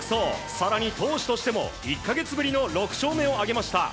更に、投手としても１か月ぶりの６勝目を挙げました。